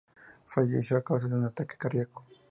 Falleció a causa de un ataque cardíaco.